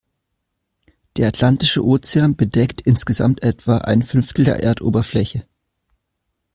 Der Atlantische Ozean bedeckt insgesamt etwa ein Fünftel der Erdoberfläche.